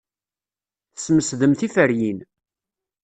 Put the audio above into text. Tesmesdem tiferyin.